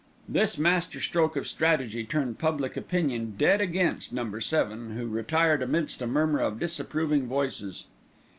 This master stroke of strategy turned public opinion dead against Number Seven, who retired amidst a murmur of disapproving voices.